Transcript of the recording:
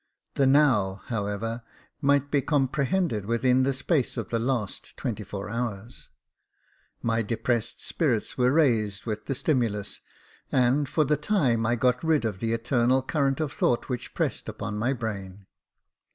The now however, might be comprehended within the space of the last twenty four hours. My depressed spirits were raised with the stimulus, and, for the time, I got rid of the eternal current of thought which pressed upon my brain.